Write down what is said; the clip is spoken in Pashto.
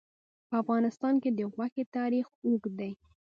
په افغانستان کې د غوښې تاریخ اوږد دی.